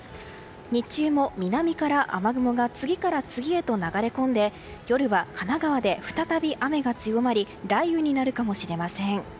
日中も、南から雨雲が次から次へと流れ込んで夜は神奈川で再び雨が強まり雷雨になるかもしれません。